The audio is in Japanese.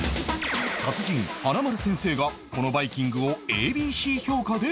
達人華丸先生がこのバイキングを ＡＢＣ 評価で採点